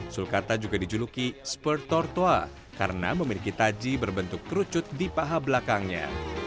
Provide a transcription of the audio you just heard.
sulkata juga dijuluki sport tortoa karena memiliki taji berbentuk kerucut di paha belakangnya